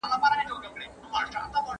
¬ خواره سې مکاري، چي هم جنگ کوې، هم ژاړې.